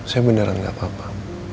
saya beneran gak apa apa